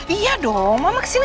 iya dong mama kesini